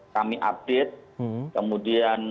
kami update kemudian